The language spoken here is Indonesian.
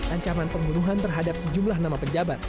ancaman pembunuhan terhadap sejumlah nama pejabat